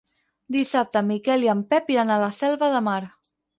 Dissabte en Miquel i en Pep iran a la Selva de Mar.